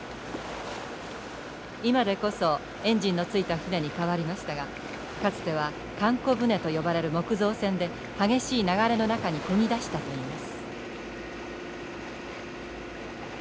今でこそエンジンのついた船にかわりましたがかつてはかんこ船と呼ばれる木造船で激しい流れの中にこぎ出したといいます。